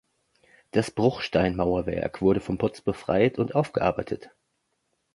Das Bruchsteinmauerwerk wurde von Putz befreit und aufgearbeitet.